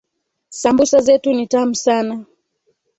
Sambusa zetu ni tamu sana